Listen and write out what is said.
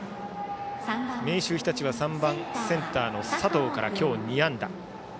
明秀日立は３番センターの佐藤から今日、２安打。